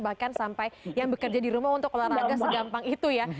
bahkan sampai yang bekerja di rumah untuk olahraga segampang itu ya